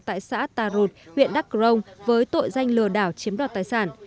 tại xã ta rột huyện đắk rông với tội danh lừa đảo chiếm đoạt tài sản